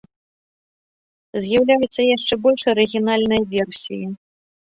З'яўляюцца яшчэ больш арыгінальныя версіі.